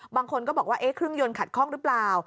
บางคนก็บอกว่าเครื่องยนต์ขัดข้องหรือเปล่า